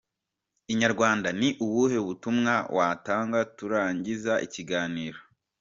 Inyarwanda: ni ubuhe butumwa watanga turangiza ikiganiro.